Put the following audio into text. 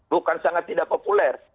bukan sangat tidak populer